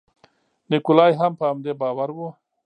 نیکولای هم په همدې باور و.